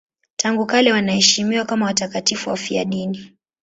Tangu kale wanaheshimiwa kama watakatifu wafiadini.